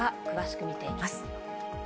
詳しく見ていきます。